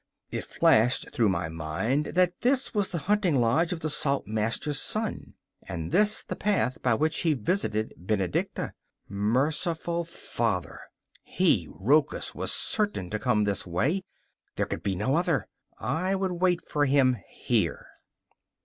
It flashed through my mind that this was the hunting lodge of the Saltmaster's son, and this the path by which he visited Benedicta. Merciful Father! he, Rochus, was certain to come this way; there could be no other. I would wait for him here.